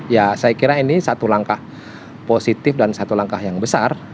ya saya kira ini satu langkah positif dan satu langkah yang besar